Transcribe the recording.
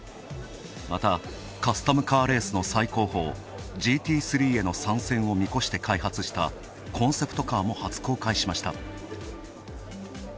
また、カスタムカーレースの最高峰・ＧＴ３への参戦を見越して開発したコンセプトカーも初公開しました。